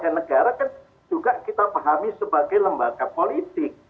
begini dpr itu kan selain sebagai lembaga negara kan juga kita pahami sebagai lembaga politik